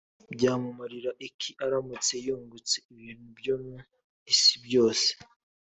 byamumarira iki aramutse yungutse ibintu byo mu isi byose .